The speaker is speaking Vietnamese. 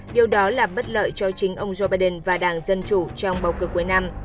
điều đó là bất lợi cho chính ông joe biden và đảng dân chủ trong bầu cử cuối năm